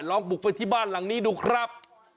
ลองบุกไปที่บ้านหลังนี้ดูครับ